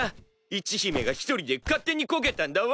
一姫が一人で勝手にこけたんだワン。